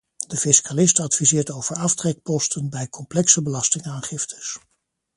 De fiscalist adviseert over aftrekposten bij complexe belastingaangiftes.